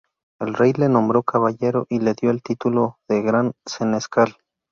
El Rey le nombró caballero y le dio el título de Gran Senescal.